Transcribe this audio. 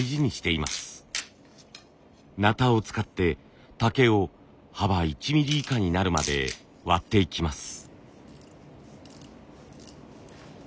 なたを使って竹を幅１ミリ以下になるまで割っていきます。